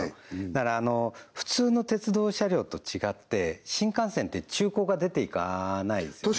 だから普通の鉄道車両と違って新幹線って中古が出ていかないですよね